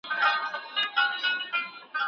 لارښود استاد باید په خپله موضوع کي پوه وي.